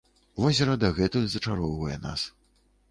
Возера дагэтуль зачароўвае нас.